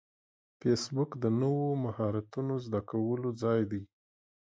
فېسبوک د نوو مهارتونو زده کولو ځای دی